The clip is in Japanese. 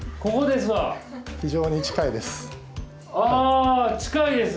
非常に近いです。